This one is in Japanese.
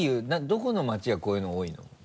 どこの街がこういうの多いの？